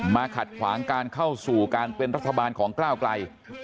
ขัดขวางการเข้าสู่การเป็นรัฐบาลของก้าวไกล